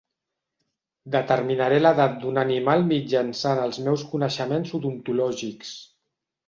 Determinaré l'edat d'un animal mitjançant els meus coneixements odontològics.